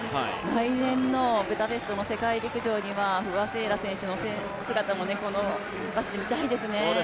来年のブタペストの世界陸上には不破聖衣来選手の姿も見たいですね。